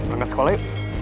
angkat sekolah yuk